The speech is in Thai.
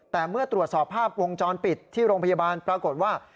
แต่เมื่อตรวจสอบภาพวงจรปิดที่โรงพยาบาลปรากฏว่า